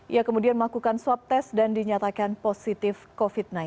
ia kemudian melakukan swab tes dan dinyatakan positif covid sembilan belas